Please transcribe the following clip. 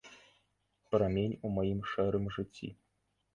Прамень у маім шэрым жыцці.